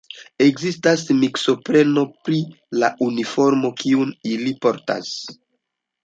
Ekzistas miskompreno pri la uniformo kiun ili portas.